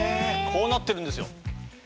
こうなってるんですよ。